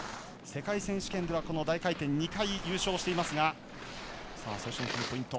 世界選手権では、大回転で２回優勝しています。